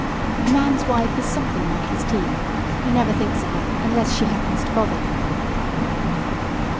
A man's wife is something like his teeth: He never thinks of her unless she happens to bother him.